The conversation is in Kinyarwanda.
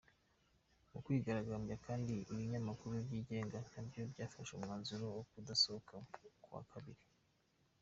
Mu kwigaragambya kandi ibinyamakuru byigenga na byo byafashe umwanzuro wo kudasohoka ku wa kabiri.